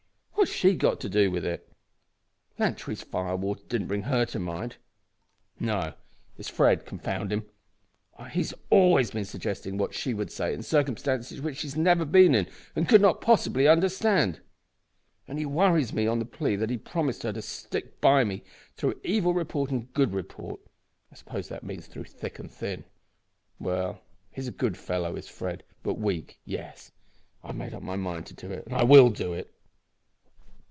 What has she got to do with it? Lantry's fire water didn't bring her to my mind. No, it is Fred, confound him! He's always suggesting what she would say in circumstances which she has never been in and could not possibly understand. And he worries me on the plea that he promised her to stick by me through evil report and good report. I suppose that means through thick and thin. Well, he's a good fellow is Fred, but weak. Yes, I've made up my mind to do it and I will do it."